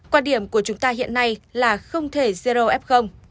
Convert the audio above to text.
quan điểm của chúng ta hiện nay là không thể zero f